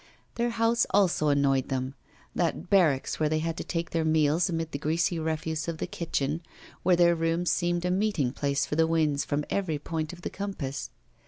Their house also annoyed them that barracks where they had to take their meals amid the greasy refuse of the kitchen, where their room seemed a meeting place for the winds from every point of the compass.